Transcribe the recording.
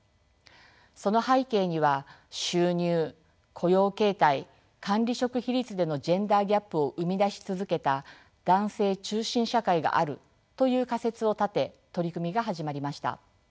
その背景には収入雇用形態管理職比率でのジェンダーギャップを生み出し続けた男性中心社会があるという仮説を立て取り組みが始まりました。